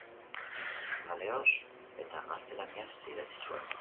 Galegoz eta gaztelaniaz idatzi zuen.